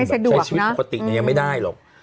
ใช้ชีวิตปกติยังไม่ได้หรอก